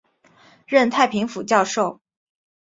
任太平府教授。